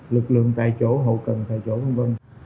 lực lượng tại chỗ hậu cần tại chỗ vân vân